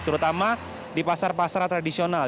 terutama di pasar pasar tradisional